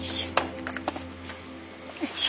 よいしょ。